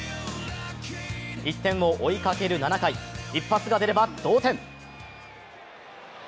１点を追いかける７回、一発が出れば同点。